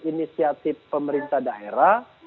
inisiatif pemerintah daerah